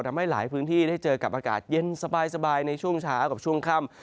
ทำให้หลายพื้นที่ได้เจอกับอากาศเย็นสบายในช่วงเช้ากับช่วงค่ำ